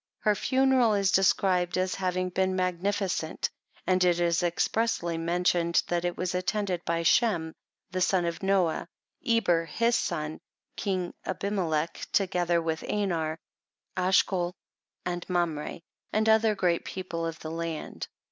Her funeral is described as having been magnificent; and it is expressly mentioned, that it was attended by Shem, the son of Noah, Eber his son, king Abimelech, together with Anar, Ashcol and Mamre, and other great people of the land.